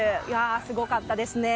すごかったですね。